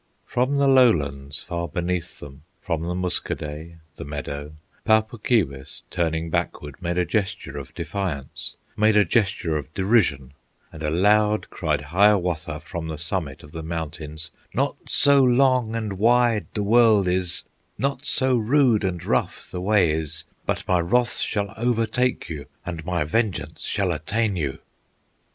From the lowlands far beneath them, From the Muskoday, the meadow, Pau Puk Keewis, turning backward, Made a gesture of defiance, Made a gesture of derision; And aloud cried Hiawatha, From the summit of the mountains: "Not so long and wide the world is, Not so rude and rough the way is, But my wrath shall overtake you, And my vengeance shall attain you!"